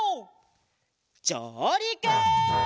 じょうりく！